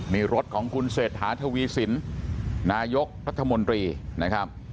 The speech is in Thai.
นี่รถของคุณเศรษฐาทวีสินนายกรัฐมนตรีนะครับ